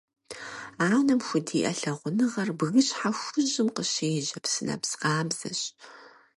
Анэм худиӀэ лъагъуныгъэр бгыщхьэ хужьым къыщежьэ псынэпс къабзэщ.